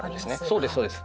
そうですそうです。